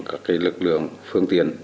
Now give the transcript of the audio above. các lực lượng phương tiện